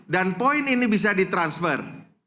dan point ini bisa ditransfer